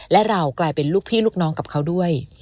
และเรากลายเป็นลูกพี่ลูกน้องกับเขาด้วย